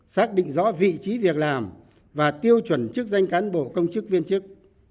xác định rõ vị trí việc làm và tiêu chuẩn chức danh cán bộ công chức viên chức